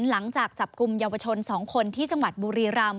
หลังจากจับกลุ่มเยาวชน๒คนที่จังหวัดบุรีรำ